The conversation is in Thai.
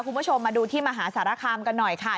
คุณผู้ชมมาดูที่มหาสารคามกันหน่อยค่ะ